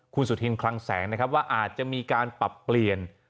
คุณสุทินครั้งแสงว่าอาจจะมีการปรับเปลี่ยน